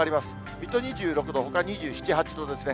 水戸２６度、ほか２７、８度ですね。